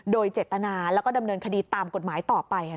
โดยเจตนาแล้วก็ดำเนินคดีตามกฎหมายต่อไป